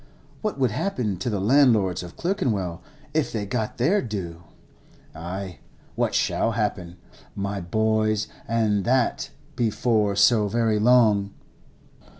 What would happen to the landlords of Clerkenwell if they got their due? Ay, what shall happen, my boys, and that before so very long?